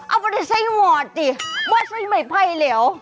เอาไปแต่ไส้หมดสิว่าไส้ไม่ไภแล้ว